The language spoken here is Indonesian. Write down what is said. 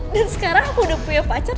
dan sekarang aku udah punya pacar